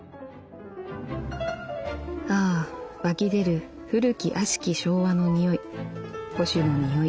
ああ湧き出る古き悪しき昭和の匂い保守の匂い。